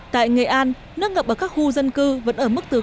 tại nghệ an nước ngập ở các khu dân cư vẫn ở mức từ hai bốn m